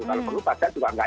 kalau perlu pajak juga enggak